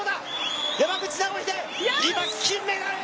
今、金メダル！